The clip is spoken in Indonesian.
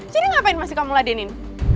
jadi ngapain masih kamu ladenin